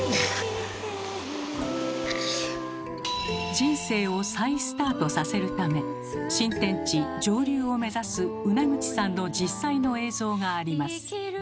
人生を再スタートさせるため新天地上流を目指すウナグチさんの実際の映像があります。